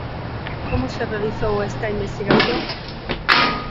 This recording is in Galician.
Como se realizou esta investigación?